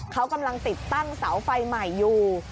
เขากำลังติดตั้งเสาไฟใหม่อยู่